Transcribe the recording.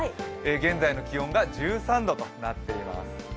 現在の気温が１３度となっています。